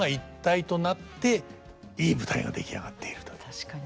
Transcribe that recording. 確かに。